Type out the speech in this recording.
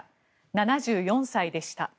７４歳でした。